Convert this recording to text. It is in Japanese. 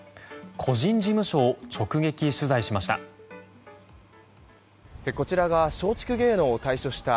個人事務所を直撃取材しました。